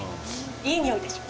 いい匂いでしょ？